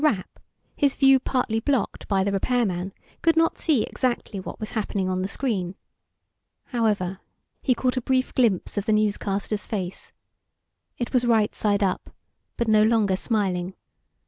Rapp, his view partly blocked by the repairman, could not see exactly what was happening on the screen. However, he caught a brief glimpse of the newscaster's face. It was right side up, but no longer smiling.